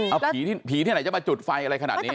เอาผีผีที่ไหนจะมาจุดไฟอะไรขนาดนี้